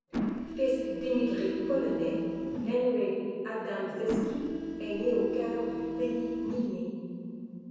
Fils d’émigrés polonais, Henri Adamczewski est né au cœur du pays minier.